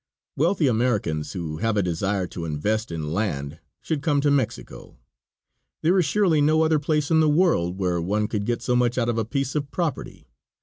Wealthy Americans who have a desire to invest in land should come to Mexico. There is surely no other place in the world where one could get so much out of a piece of property.